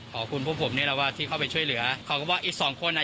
ขอบคุณพวกผมนี่แหละว่าที่เข้าไปช่วยเหลือเขาก็บอกอีกสองคนอ่ะ